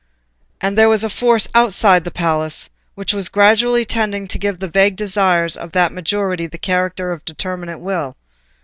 And there was a force outside the palace which was gradually tending to give the vague desires of that majority the character of a determinate will.